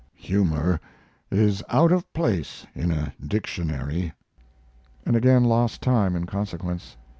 Humor is out of place in a dictionary."] and again lost time in consequence.